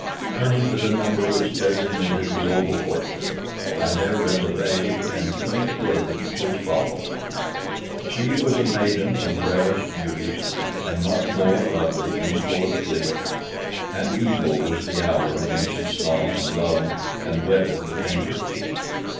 Turning to the number which designated the oval portrait, I there read the vague and quaint words which follow: "She was a maiden of rarest beauty, and not more lovely than full of glee. And evil was the hour when she saw, and loved, and wedded the painter.